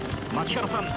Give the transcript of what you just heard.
槙原さん